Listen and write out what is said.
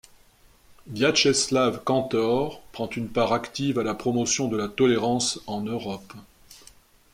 Viatcheslav Kantor prend une part active à la promotion de la tolérance en Europe.